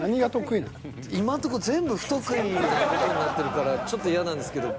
今んとこ全部不得意な事になってるからちょっと嫌なんですけど。